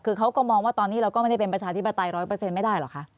คือเขาก็มองว่าตอนนี้เราก็ไม่ได้เป็นประชาธิบัติร้อยเปอร์เซ็นต์ไม่ได้หรอกคะ